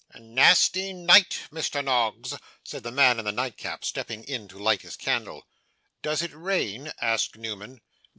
'A nasty night, Mr. Noggs!' said the man in the nightcap, stepping in to light his candle. 'Does it rain?' asked Newman.